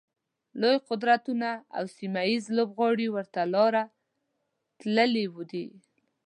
لوی قدرتونه او سیمه ییز لوبغاړي ورته لاره تللي دي.